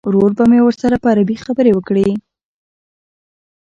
ورور به مې ورسره په عربي خبرې وکړي.